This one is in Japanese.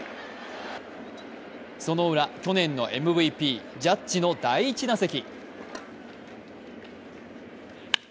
そのウラ、去年のＭＶＰ・ジャッジの第１打席。